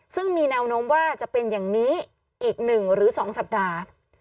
ซึ่งมีแนวโน้มว่าจะเป็นอย่างนี้อีก๑หรือ๒สัปดาห์